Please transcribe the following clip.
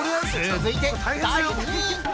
◆続いて、第２位。